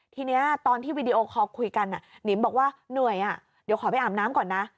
ทีนี้ตอนที่วีดีโอคอลคุยกันนิมบอกว่าเหนื่อยเดี๋ยวขอไปอาบน้ำก่อนนะ